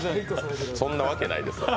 そんなわけないです。